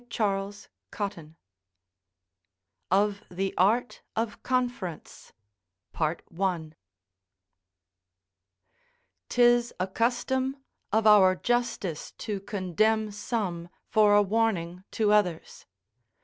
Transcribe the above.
CHAPTER VIII OF THE ART OF CONFERENCE 'Tis a custom of our justice to condemn some for a warning to others.